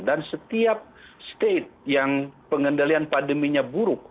dan setiap state yang pengendalian pandeminya buruk